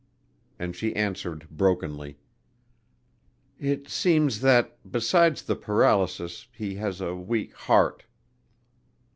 And she answered brokenly. "It seems that besides the paralysis he has a weak heart."